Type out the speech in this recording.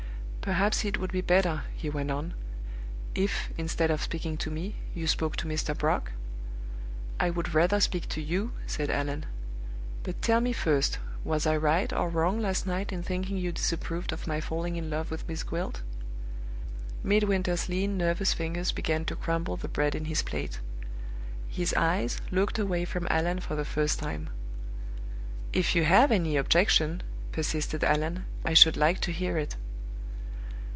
"Perhaps it would be better," he went on, "if, instead of speaking to me, you spoke to Mr. Brock?" "I would rather speak to you," said Allan. "But tell me first, was I right or wrong last night in thinking you disapproved of my falling in love with Miss Gwilt?" Midwinter's lean, nervous fingers began to crumble the bread in his plate. His eyes looked away from Allan for the first time. "If you have any objection," persisted Allan, "I should like to hear it."